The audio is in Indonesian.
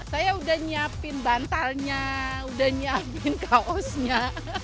saya udah nyiapin bantalnya udah nyiapin kaosnya